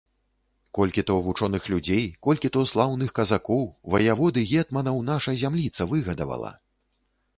Колькі то вучоных людзей, колькі то слаўных казакоў, ваявод і гетманаў наша зямліца выгадавала?